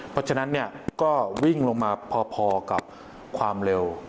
เพราะฉะนั้นก็วิ่งลงมาพอกับความเร็ว